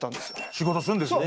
仕事するんですね。